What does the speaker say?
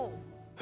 え？